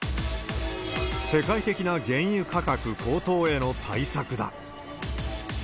世界的な原油価格高騰への対策だ。